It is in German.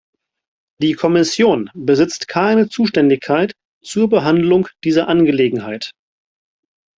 Die Kommission besitzt keine Zuständigkeit zur Behandlung dieser Angelegenheit.